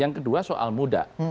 yang kedua soal muda